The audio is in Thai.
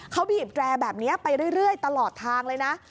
เขาบีบแรร์แบบนี้ไปเรื่อยตลอดทางเลยนะ